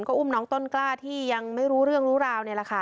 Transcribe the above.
ก็อุ้มน้องต้นกล้าที่ยังไม่รู้เรื่องรู้ราวนี่แหละค่ะ